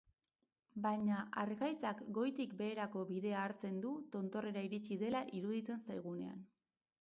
Baina harkaitzak goitik beherako bidea hartzen du tontorrera iritsi dela iruditzen zaigunean.